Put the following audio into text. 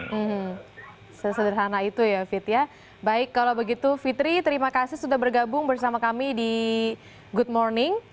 hmm sesederhana itu ya fitri ya baik kalau begitu fitri terima kasih sudah bergabung bersama kami di good morning